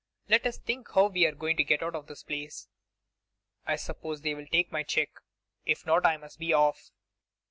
'Let us think how we are to get out of this place. I suppose they will take my cheque. If not, I must be off.